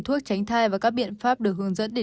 thuốc tránh thai và các biện pháp được hướng dẫn để